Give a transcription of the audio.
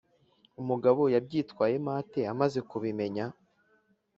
Umugabo yabyitwayemo ate amaze kubimenya?